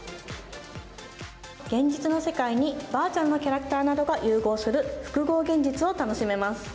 現実の世界にバーチャルのキャラクターなどが融合する複合現